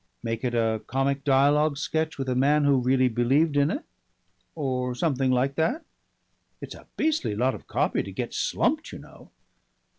Make it a comic dialogue sketch with a man who really believed in it or something like that. It's a beastly lot of copy to get slumped, you know."